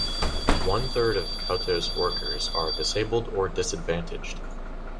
One-third of Cauto's workers are disabled or disadvantaged.